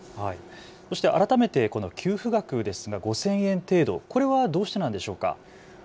そして改めてこの給付学ですが５０００円程度、これはどうしてなんでしょうか。